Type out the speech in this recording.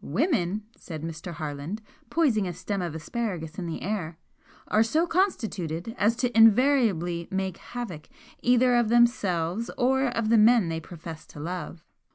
"Women," said Mr. Harland, poising a stem of asparagus in the air, "are so constituted as to invariably make havoc either of themselves or of the men they profess to love.